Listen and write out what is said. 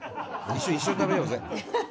一緒に食べようぜ。